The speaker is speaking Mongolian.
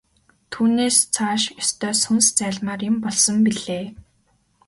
Түүнээс цааш ёстой сүнс зайлмаар юм болсон билээ.